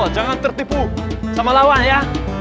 jangan tertipu sama lawan ya